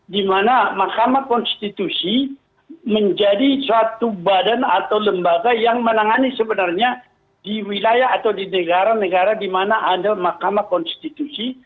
di mana mahkamah konstitusi menjadi suatu badan atau lembaga yang menangani sebenarnya di wilayah atau di negara negara di mana ada mahkamah konstitusi